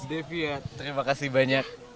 devia terima kasih banyak